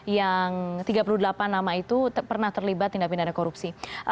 yang tiga puluh delapan nama itu pernah terlibat tindak pidana korupsi